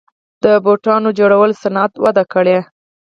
د بوټانو جوړولو صنعت وده کړې